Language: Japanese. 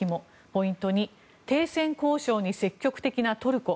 ポイント２停戦交渉に積極的なトルコ。